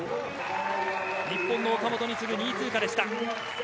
日本の岡本に次ぐ２通過でした。